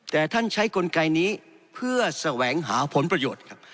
แต่ท่านใช้กลไกนี้เพื่อแสวงหาผลประโยชน์ครับ